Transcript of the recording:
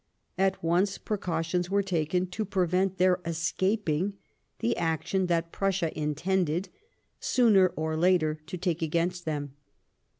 At once precautions were taken to prevent their escaping the action that Prussia intended, sooner or later, to take against them.